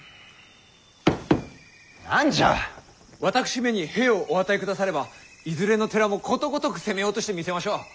私めに兵をお与えくださればいずれの寺もことごとく攻め落としてみせましょう。